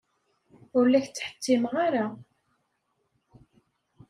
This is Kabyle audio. Ur la k-ttḥettimeɣ ara.